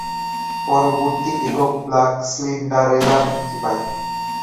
পরবর্তী একক, "black Cinderella" মুক্তি পায়।